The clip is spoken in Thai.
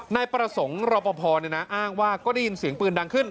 นายประสงค์รอปภอ้างว่าก็ได้ยินเสียงปืนดังขึ้น